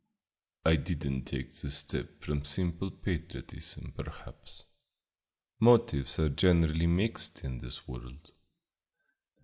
"I did n't take the step from simple patriotism, perhaps. Motives are generally mixed in this world.